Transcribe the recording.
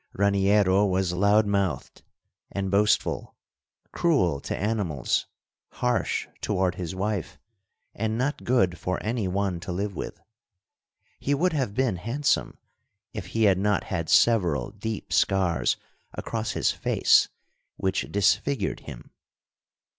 Raniero was loud mouthed and boastful; cruel to animals, harsh toward his wife, and not good for any one to live with. He would have been handsome if he had not had several deep scars across his face which disfigured him.